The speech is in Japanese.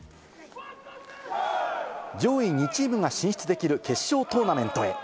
上位２チームが進出できる決勝トーナメントへ。